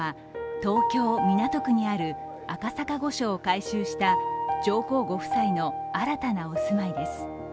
東京・港区にある赤坂御所を改修した上皇ご夫妻の新たなお住まいです。